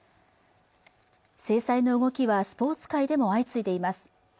制裁の動きはスポーツ界でも相次いでいます